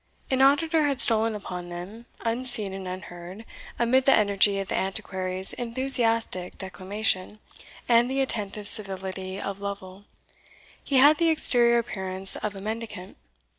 An auditor had stolen upon them, unseen and unheard, amid the energy of the Antiquary's enthusiastic declamation, and the attentive civility of Lovel. He had the exterior appearance of a mendicant.